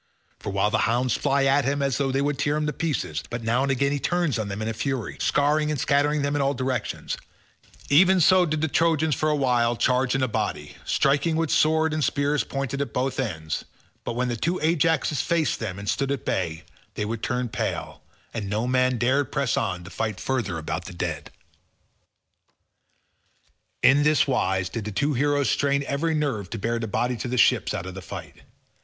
For a while the hounds fly at him as though they would tear him in pieces, but now and again he turns on them in a fury, scaring and scattering them in all directions—even so did the Trojans for a while charge in a body, striking with sword and with spears pointed at both the ends, but when the two Ajaxes faced them and stood at bay, they would turn pale and no man dared press on to fight further about the dead. In this wise did the two heroes strain every nerve to bear the body to the ships out of the fight.